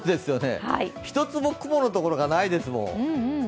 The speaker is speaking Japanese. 一つも雲のところがないですもん。